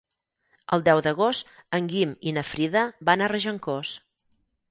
El deu d'agost en Guim i na Frida van a Regencós.